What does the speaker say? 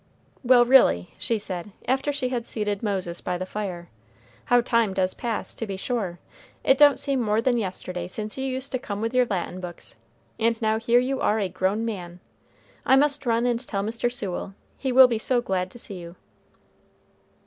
"Well, really," she said, after she had seated Moses by the fire, "how time does pass, to be sure; it don't seem more than yesterday since you used to come with your Latin books, and now here you are a grown man! I must run and tell Mr. Sewell. He will be so glad to see you."